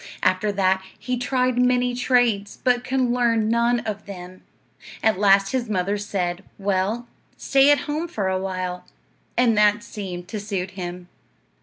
After that he tried many trades, but could learn none of them. At last his mother said, "Well, stay at home for a while;" and that seemed to suit him.